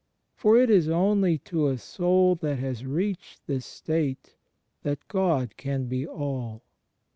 For it is only to a soul that has reached this state that God can be All.